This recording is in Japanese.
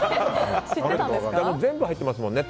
全部、入ってますもんね。